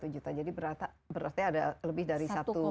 empat satu juta jadi berarti ada lebih dari